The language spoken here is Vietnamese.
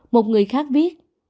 một người khác viết